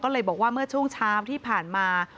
ก็เลยบอกว่าเมื่อช่วงเช้าที่ผ่านมา